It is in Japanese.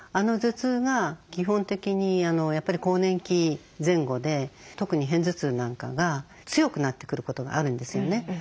頭痛が基本的にやっぱり更年期前後で特に偏頭痛なんかが強くなってくることがあるんですよね。